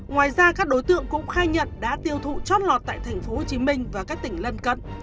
ngoài ra các đối tượng cũng khai nhận đã tiêu thụ chót lọt tại tp hcm và các tỉnh lân cận